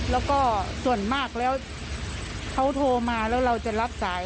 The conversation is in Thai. แล้วก็ส่วนมากแล้วเขาโทรมาแล้วเราจะรับสาย